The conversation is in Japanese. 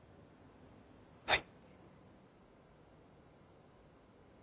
はい。